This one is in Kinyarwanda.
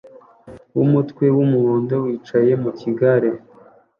wumutwe wumuhondo wicaye mukigare